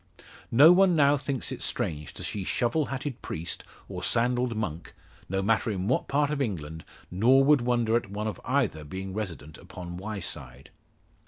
No one now thinks it strange to see shovel hatted priest, or sandalled monk no matter in what part of England, nor would wonder at one of either being resident upon Wyeside.